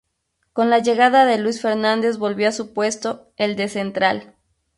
Con la llegada de Luis Fernández volvió a su puesto, el de central.